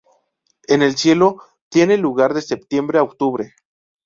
El celo tiene lugar de septiembre a octubre.